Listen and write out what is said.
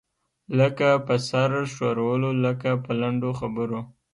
لکه په سر ښورولو، لکه په لنډو خبرو.